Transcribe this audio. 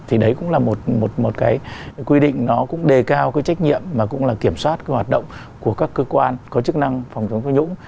thì đấy cũng là một cái quy định nó cũng đề cao cái trách nhiệm mà cũng là kiểm soát cái hoạt động của các cơ quan có chức năng phòng chống tham nhũng